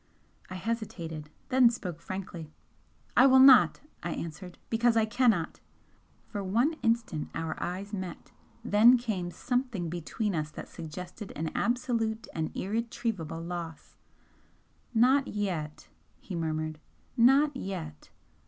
I hesitated then spoke frankly. "I will not," I answered "because I cannot!" For one instant our eyes met then came SOMETHING between us that suggested an absolute and irretrievable loss "Not yet!" he murmured "Not yet!"